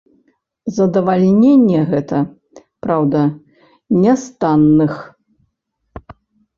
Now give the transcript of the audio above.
Задавальненне гэта, праўда, не з танных.